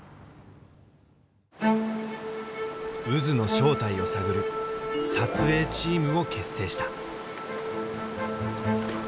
渦の正体を探る撮影チームを結成した。